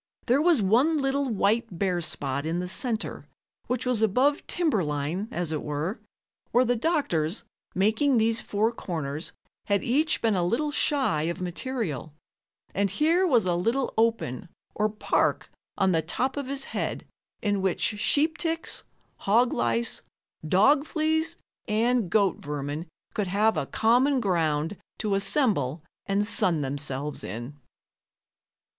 There was one little white bare spot in the center which was above timber line, as it were, where the doctors, making these four corners, had each been a little shy of material, and here was a little open, or park, on the top of his head in which sheep ticks, hog lice, dog fleas and goat vermin could have a common ground to assemble and sun themselves in.